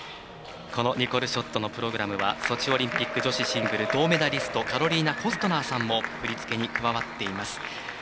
ニコル・ショットのプログラムはソチオリンピック女子シングル銅メダリストカロリーナ・コストナーさんも振り付けに加わっています。